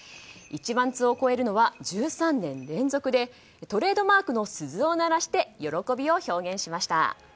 １万通を超えるのは１３年連続でトレードマークの鈴を鳴らして喜びを表現しました。